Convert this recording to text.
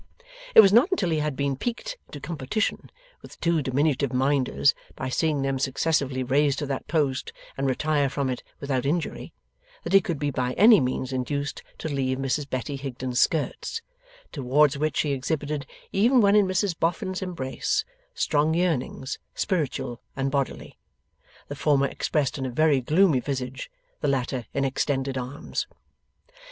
It was not until he had been piqued into competition with the two diminutive Minders, by seeing them successively raised to that post and retire from it without injury, that he could be by any means induced to leave Mrs Betty Higden's skirts; towards which he exhibited, even when in Mrs Boffin's embrace, strong yearnings, spiritual and bodily; the former expressed in a very gloomy visage, the latter in extended arms.